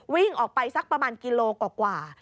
วิ่งออกไปสักประมาณกิโลกว่า